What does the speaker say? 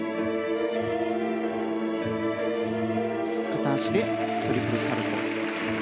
片足でトリプルサルコウ。